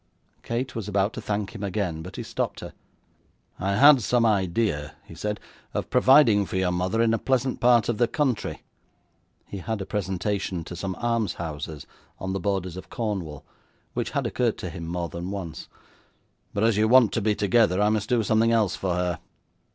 Kate was about to thank him again, but he stopped her. 'I had some idea,' he said, 'of providing for your mother in a pleasant part of the country (he had a presentation to some almshouses on the borders of Cornwall, which had occurred to him more than once) but as you want to be together, I must do something else for her.